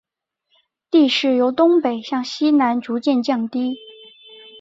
地势由东北向西南逐渐降低。